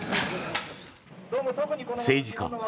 政治家